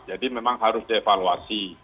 jadi memang harus dievaluasi